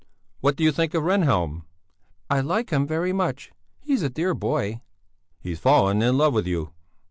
"What do you think of Rehnhjelm?" "I like him very much! He's a dear boy!" "He's fallen in love with you!"